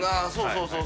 そうそう。